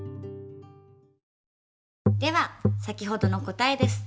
では先ほどの答えです。